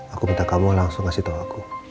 aku minta kamu langsung kasih tau aku